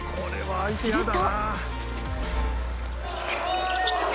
［すると］